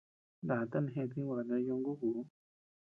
Ndatan jeʼëta jinguata ñóngukuu.